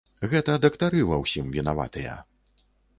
Гэта дактары ва ўсім вінаватыя.